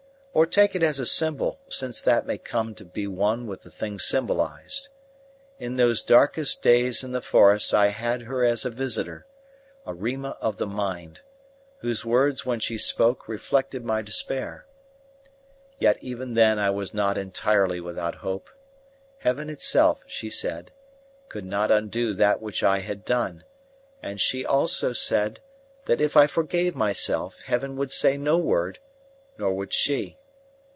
Or take it as a symbol, since that may come to be one with the thing symbolized. In those darkest days in the forest I had her as a visitor a Rima of the mind, whose words when she spoke reflected my despair. Yet even then I was not entirely without hope. Heaven itself, she said, could not undo that which I had done; and she also said that if I forgave myself, Heaven would say no word, nor would she.